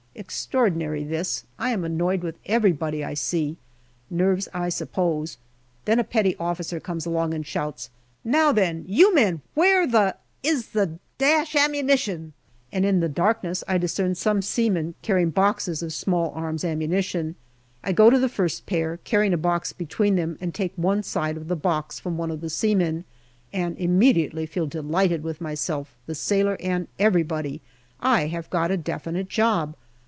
Extraordinary this ! I am annoyed with everybody I see. Nerves, I suppose. Then a petty officer conies along and shouts, " Now then, you men, where the is the ammunition ?" and in the darkness I discern some seamen carrying boxes of S.A.A. I go to the first pair, carrying a box between them, and take one side of the box from one of the seamen, and immediately feel delighted with myself, the sailor, and everybody. I have got a definite job.